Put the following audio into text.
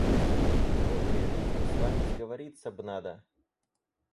Мне при жизни с вами сговориться б надо.